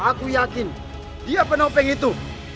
aku yakin dia penopeng itu